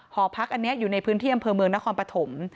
หอพักอันนี้อยู่ในพื้นที่อำเภอเมืองนครปฐม